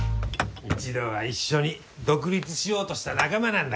一度は一緒に独立しようとした仲間なんだから。